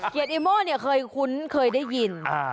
เอโม่เนี่ยเคยคุ้นเคยได้ยิน